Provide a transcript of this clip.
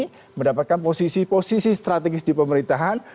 ini mendapatkan posisi posisi strategis di pemerintahan